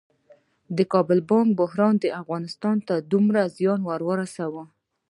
د کابل بانک بحران اقتصاد ته څومره زیان ورساوه؟